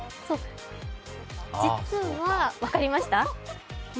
実は、分かりました？